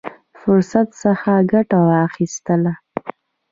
فرصت څخه ګټه واخیستله.